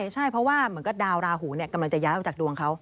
ใช่เพราะว่าเหมือนกับดาวราหูกำลังจะย้ายออกจากดวงเขา